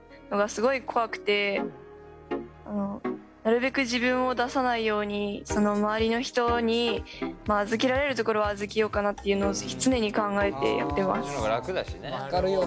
なるべく自分を出さないように周りの人に預けられるところは預けようかなっていうのを常に考えてやってます。